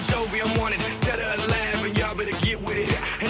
serta netizen yang budiman